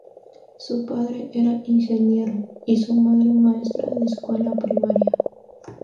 Su padre era ingeniero y su madre maestra de escuela primaria.